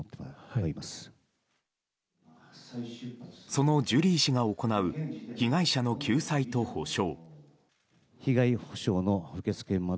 そのジュリー氏が行う被害者の救済と補償。